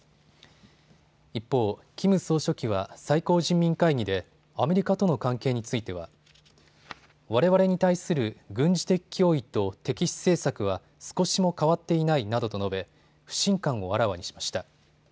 一方、キム総書記は最高人民会議でアメリカとの関係についてはわれわれに対する軍事的脅威と敵視政策は少しも変わっていないなどと述べ、不信感をあらわにしました。